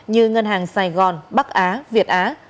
như ngân hàng sài gòn bắc á việt á